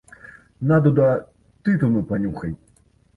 На, дуда, тытуну панюхай!